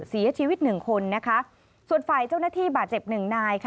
เสียชีวิตหนึ่งคนนะคะส่วนฝ่ายเจ้าหน้าที่บาดเจ็บหนึ่งนาย